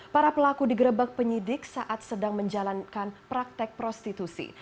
para pelaku digerebek penyidik saat sedang menjalankan praktek prostitusi